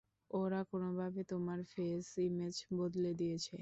ওরা কোনোভাবে তোমার ফেস ইমেজ বদলে দিয়েছে।